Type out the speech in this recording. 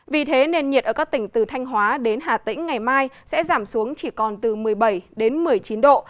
vì thế nền nhiệt ở các tỉnh từ thanh hóa đến hà tĩnh ngày mai sẽ giảm xuống chỉ còn từ một mươi bảy đến một mươi chín độ